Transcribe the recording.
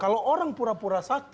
kalau orang pura pura sakit